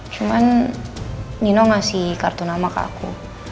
cuman nino ngasih kartu nama ke aku